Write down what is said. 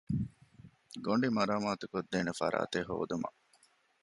ގޮނޑި މަރާމާތުކޮށްދޭނެ ފަރާތެއް ހޯދުމަށް